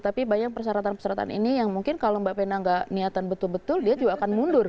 tapi bayang persyaratan persyaratan ini yang mungkin kalau mbak pena nggak niatan betul betul dia juga akan mundur